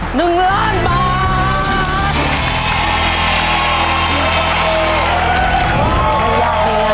หนึ่งล้านบาท